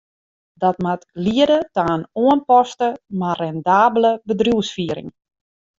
Dat moat liede ta in oanpaste, mar rendabele bedriuwsfiering.